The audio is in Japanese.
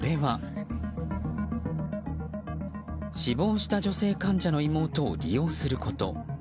それは死亡した女性患者の妹を利用すること。